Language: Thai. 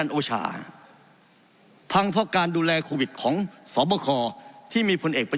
โอชาพังเพราะการดูแลโควิดของสอบคอที่มีผลเอกประ